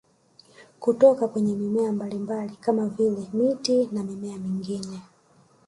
Kutoka kwenye mimea mbalimbali kama vile miti na mimea mingine